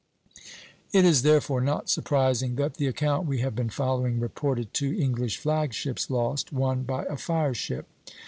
" It is therefore not surprising that the account we have been following reported two English flag ships lost, one by a fire ship.